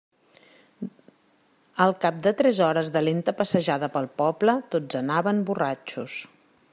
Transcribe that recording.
Al cap de tres hores de lenta passejada pel poble, tots anaven borratxos.